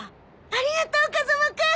ありがとう風間くん！